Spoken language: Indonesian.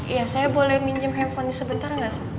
ya saya boleh minjem handphonenya sebentar gak